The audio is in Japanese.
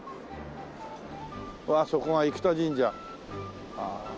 そこが生田神社。